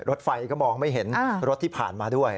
รถไฟก็มองไม่เห็นรถที่ผ่านมาด้วย